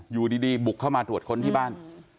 อยู่ดีบุกเข้ามาตรวจค้นที่บ้าน